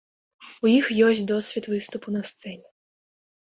У іх ёсць досвед выступу на сцэне.